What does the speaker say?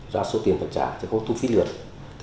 ra số tiền và trả chứ không thúc phí lượt